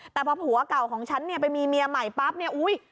แต่พอผัวเก่าของฉันเนี่ยไปมีเมียใหม่ปั๊บเนี่ยอุ๊ย